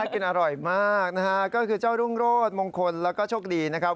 กินอร่อยมากนะฮะก็คือเจ้ารุ่งโรธมงคลแล้วก็โชคดีนะครับ